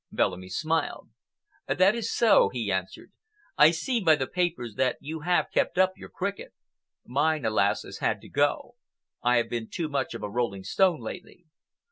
Bellamy smiled. "That is so," he answered. "I see by the papers that you have kept up your cricket. Mine, alas! has had to go. I have been too much of a rolling stone lately.